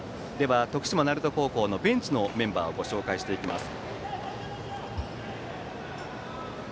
徳島・鳴門高校のベンチのメンバーをご紹介していきます。